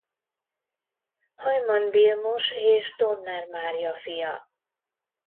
Haiman Vilmos és Donner Mária fia.